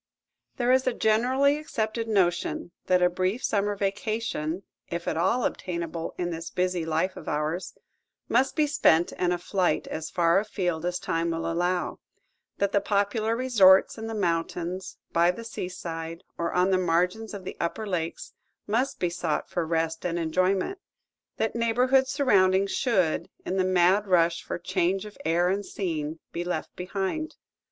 There is a generally accepted notion that a brief summer vacation, if at all obtainable in this busy life of ours, must be spent in a flight as far afield as time will allow; that the popular resorts in the mountains, by the seaside, or on the margins of the upper lakes must be sought for rest and enjoyment; that neighborhood surroundings should, in the mad rush for change of air and scene, be left behind.